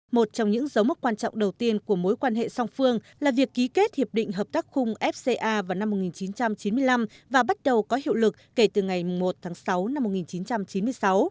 một trong những dấu mốc quan trọng đầu tiên của mối quan hệ song phương là việc ký kết hiệp định hợp tác khung fca vào năm một nghìn chín trăm chín mươi năm và bắt đầu có hiệu lực kể từ ngày một tháng sáu năm một nghìn chín trăm chín mươi sáu